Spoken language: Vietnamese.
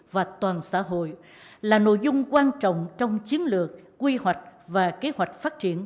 và toàn xã hội là nội dung quan trọng trong chiến lược quy hoạch và kế hoạch phát triển